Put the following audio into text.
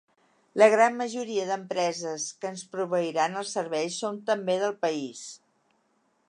La gran majoria d'empreses que ens proveiran els serveis són també del país.